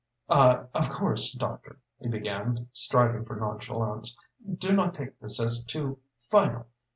"Ah of course, doctor," he began, striving for nonchalance, "do not take this as too final.